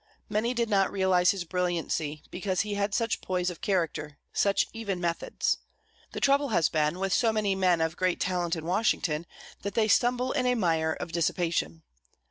Many did not realise his brilliancy, because he had such poise of character, such even methods. The trouble has been, with so many men of great talent in Washington, that they stumble in a mire of dissipation.